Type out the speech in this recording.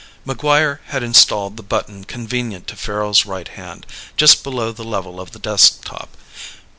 MacGuire had installed the button convenient to Farrel's right hand, just below the level of the desk top.